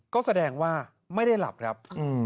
ก็แสดงว่าไม่ได้หลับครับ